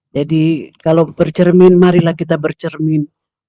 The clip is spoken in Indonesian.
jadi kalau bercermin marilah kita bercermin